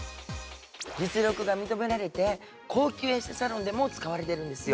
実力が認められて高級エステサロンでも使われてるんですよ。